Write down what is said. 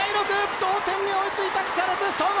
同点に追いついた木更津総合！